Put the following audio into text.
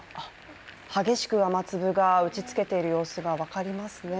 激しく雨粒が打ちつけている様子が分かりますね。